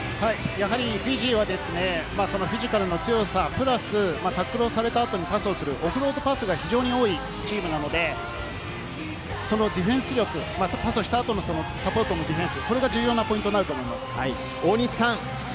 フィジーはフィジカルの強さプラス、タックルをされた後にパスをするオフロードパスが非常に多いチームなので、そのディフェンス力、パスをした後のサポートのディフェンスが重要なポイントになると思います。